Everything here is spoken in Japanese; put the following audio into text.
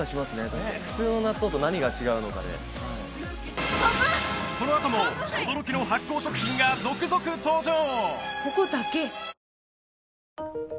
確かに普通の納豆と何が違うのかでこのあとも驚きの発酵食品が続々登場！